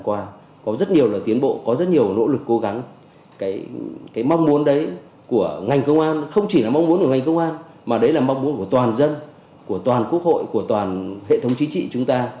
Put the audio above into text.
mà đấy là mong muốn của toàn dân của toàn quốc hội của toàn hệ thống chính trị chúng ta